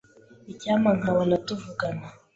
Icyampa nkabona tuvugana.